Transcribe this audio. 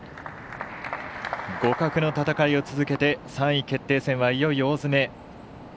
互角の戦いを続けて３位決定戦はいよいよ大詰め。